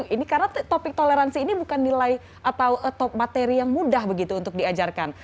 ini karena topik toleransi ini bukan nilai atau materi yang mudah begitu untuk diajarkan